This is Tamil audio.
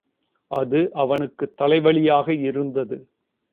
அது அவனுக்குத் தலைவலியாக இருந்தது.